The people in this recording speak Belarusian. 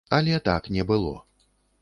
Але так не было.